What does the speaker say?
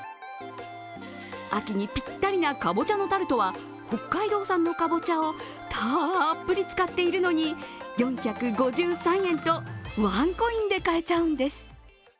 秋にぴったりなかぼちゃのタルトは北海道産のかぼちゃをたっぷり使っているのに４５３円と、ワンコインで買えちゃうんです。